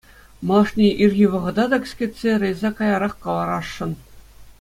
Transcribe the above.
Малашне ирхи вӑхӑта та кӗскетсе рейса каярах кӑларасшӑн.